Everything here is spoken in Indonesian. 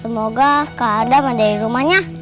semoga keadaan ada di rumahnya